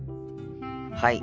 はい。